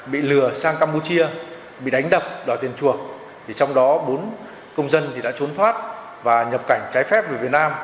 bị lừa sang campuchia bị đánh đập đòi tiền chuộc trong đó bốn công dân đã trốn thoát và nhập cảnh trái phép về việt nam